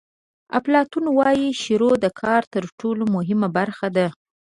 افلاطون وایي شروع د کار تر ټولو مهمه برخه ده.